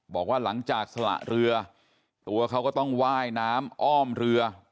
บอกว่าหลังจากสละเรือตัวเขาก็ต้องว่ายน้ำอ้อมเรือ